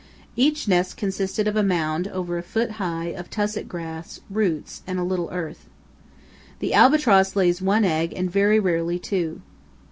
Each nest consisted of a mound over a foot high of tussock grass, roots, and a little earth. The albatross lays one egg and very rarely two.